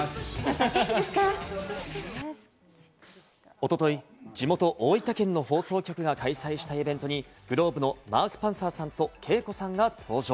おととい、地元・大分県の放送局が開催したイベントに、ｇｌｏｂｅのマーク・パンサーさんとＫＥＩＫＯさんが登場。